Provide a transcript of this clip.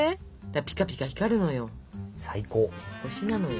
ピカピカ光るのよ。